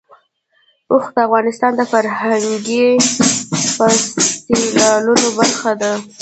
اوښ د افغانستان د فرهنګي فستیوالونو برخه ده.